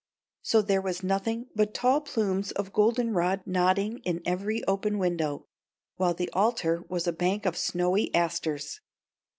So there was nothing but tall plumes of goldenrod nodding in every open window, while the altar was a bank of snowy asters.